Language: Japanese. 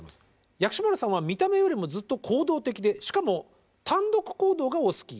「薬師丸さんは見た目よりもずっと行動的でしかも単独行動がお好き。